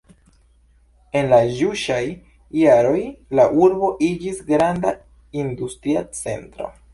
En la ĵusaj jaroj la urbo iĝis granda industria centro.